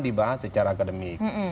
dibahas secara akademik